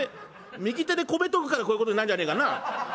右手で米とぐからこういうことになんじゃねえかな。